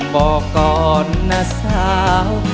บอกก่อนนะสาว